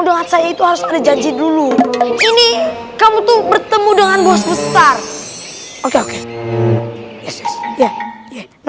teman saya itu harus terjadi dulu ini kamu tuh bertemu dengan bos besar oke oke ya ya ya ya